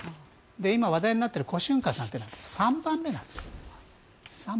今、話題になっているコ・シュンカさんというのは３番目なんです。